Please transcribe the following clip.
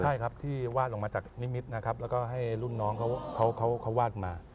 ใช่ครับที่วาดลงมาจากนิมิตรนะครับแล้วก็ให้รุ่นน้องเขาวาดมา